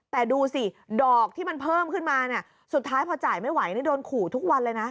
แต่ดูสิดอกที่มันเพิ่มขึ้นมาเนี่ยสุดท้ายพอจ่ายไม่ไหวโดนขู่ทุกวันเลยนะ